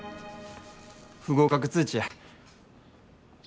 不合格通知や。